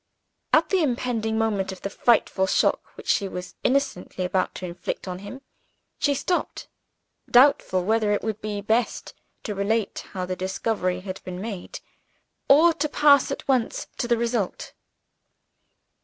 At the impending moment of the frightful shock which she was innocently about to inflict on him, she stopped doubtful whether it would be best to relate how the discovery had been made, or to pass at once to the result.